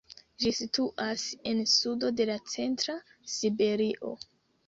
Ĝi situas en sudo de la centra Siberio.